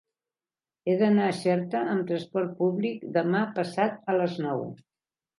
He d'anar a Xerta amb trasport públic demà passat a les nou.